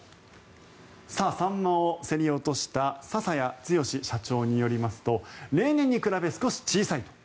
サンマを競り落とした笹谷剛社長によりますと例年に比べ少し小さいと。